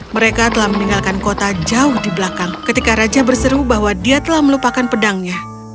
mereka telah meninggalkan kota jauh di belakang ketika raja berseru bahwa dia telah melupakan pedangnya